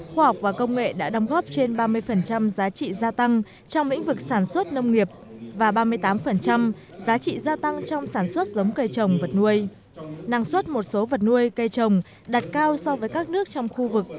khoa học và công nghệ đã đồng hợp trên ba mươi giá trị gia tăng trong lĩnh vực sản xuất nông nghiệp và ba mươi tám giá trị gia tăng trong sản xuất giống cây trồng vật nuôi năng suất một số vật nuôi cây trồng đạt cao so với các nước trong khu vực và trên thế giới